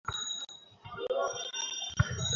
ইতিপূর্বে তোমার উপর আমাদের বড় আশা ছিল।